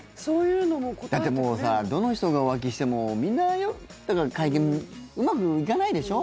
だって、もうさどの人が浮気してもみんな会見うまくいかないでしょ？